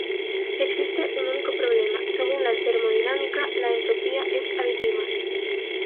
Existe un único problema: según la termodinámica, la entropía es aditiva.